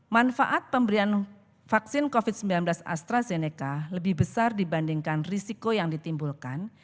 manfaat pemberian vaksin covid sembilan belas astrazeneca lebih besar dibandingkan risiko yang ditimbulkan